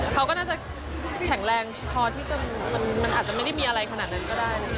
เขาก็น่าจะแข็งแรงพอที่มันอาจจะไม่ได้มีอะไรขนาดนั้นก็ได้นะคะ